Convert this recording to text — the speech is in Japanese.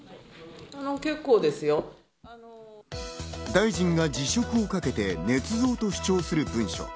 大臣が辞職をかけて、ねつ造と主張する文書。